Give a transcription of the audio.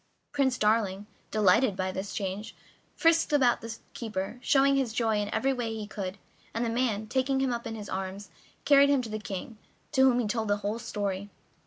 Prince Darling, delighted by the change, frisked about the keeper, showing his joy in every way he could, and the man, taking him up in his arms, carried him to the King, to whom he told the whole story.